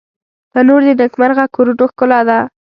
تنور د نیکمرغه کورونو ښکلا ده